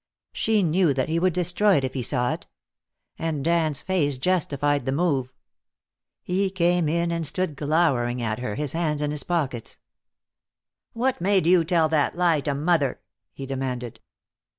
She knew that he would destroy it if he saw it. And Dan's face justified the move. He came in and stood glowering at her, his hands in his pockets. "What made you tell that lie to mother?" he demanded.